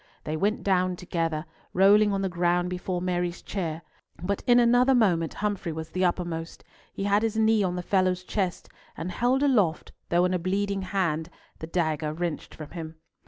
They went down together, rolling on the ground before Mary's chair; but in another moment Humfrey was the uppermost. He had his knee on the fellow's chest, and held aloft, though in a bleeding hand, the dagger wrenched from him.